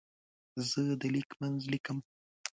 زه د لیک منځ لیکم.